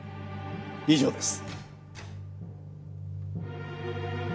以上です。